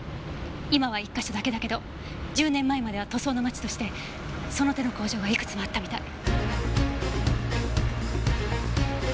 今は１か所だけだけど１０年前までは塗装の町としてその手の工場はいくつもあったみたい。